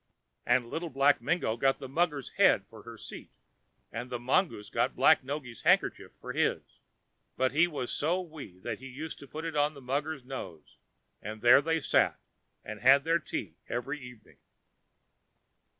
And Little Black Mingo got the mugger's head for her seat, and the mongoose got Black Noggy's handkerchief for his. But he was so wee he used to put it on the mugger's nose, and there they sat, and had their tea every evening.